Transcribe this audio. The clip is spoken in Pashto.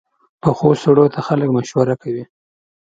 پخو سړو ته خلک مشوره کوي